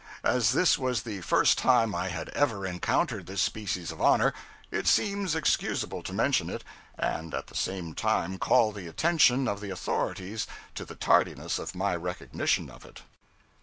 As this was the first time I had ever encountered this species of honor, it seems excusable to mention it, and at the same time call the attention of the authorities to the tardiness of my recognition of it.